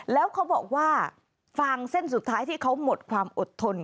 แล้วเขาบอกว่าฟางเส้นสุดท้ายที่เขาหมดความอดทน